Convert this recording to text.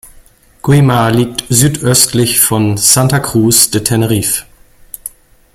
Güímar liegt südöstlich von Santa Cruz de Tenerife.